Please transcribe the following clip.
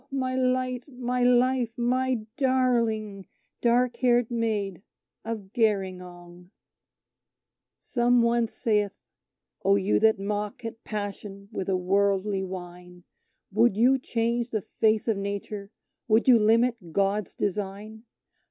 my light, my life, my darling dark haired Maid of Gerringong. ..... Some one saith, "Oh, you that mock at Passion with a worldly whine, Would you change the face of Nature would you limit God's design?